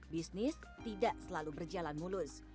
bisnis tidak selalu berjalan mulus